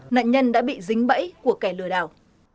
nạn nhân đã bị dính bẫy của kẻ lừa đảo